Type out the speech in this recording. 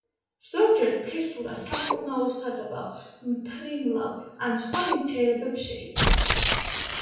ზოგჯერ ფესურა სამკურნალო, საღებავ, მთრიმლავ ან სხვა ნივთიერებებს შეიცავს.